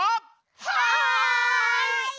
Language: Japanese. はい！